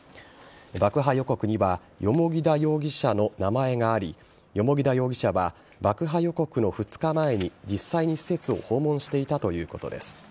爆破予告には蓬田容疑者の名前があり蓬田容疑者は爆破予告の２日前に実際に施設を訪問していたということです。